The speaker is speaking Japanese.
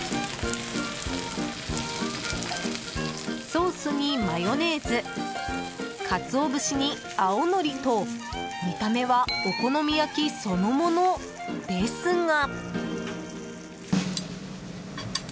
ソースにマヨネーズカツオ節に青のりと見た目はお好み焼きそのものですが。